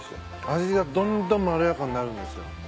味がどんどんまろやかになるんですよ。